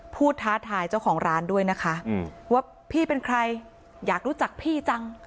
ท้าทายเจ้าของร้านด้วยนะคะว่าพี่เป็นใครอยากรู้จักพี่จัง